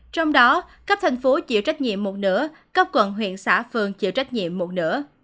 trong đó cấp thành phố chịu trách nhiệm một nữa cấp quận huyện xã phường chịu trách nhiệm một nữa